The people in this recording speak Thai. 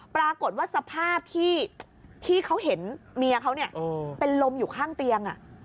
ปรากฏว่าสภาพที่เขาเห็นเมียเขาเป็นลมอยู่ข้างเตียง